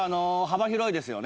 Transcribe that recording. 幅広いですよ。